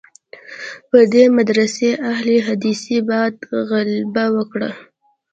پر دې مدرسې اهل حدیثي بعد غلبه وکړه.